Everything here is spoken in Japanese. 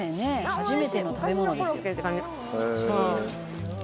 初めての食べ物ですよ」